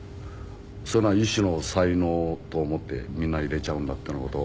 そういうのは一種の才能と思ってみんな入れちゃうんだっていうような事を。